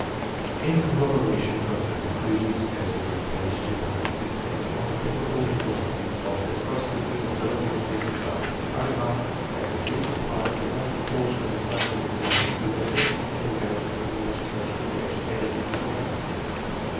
In corroboration of the conclusions stated in p. 216, on the favourable influence of the Scotch system in developing a taate for science, I re mark that in these replies, a large proportion of the scientific men who have mentioned any merits in their education, were educated in Scotland.